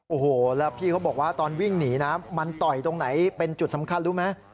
โอ้โหแล้วพี่เขาบอกว่าตอนวิ่งหนีน้ำมันต่อยตรงไหนเป็นจุดสำคัญรู้ไหม